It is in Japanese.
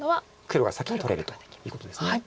黒が先に取れるということです。